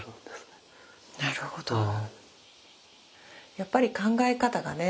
やっぱり考え方がね